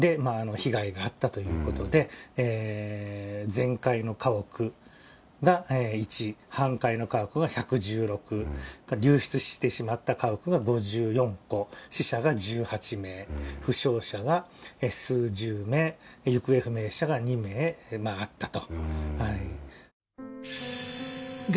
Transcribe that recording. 全壊の家屋が１半壊の家屋が１１６流失してしまった家屋が５４戸死者が１８名負傷者は数十名行方不明者が２名あったと。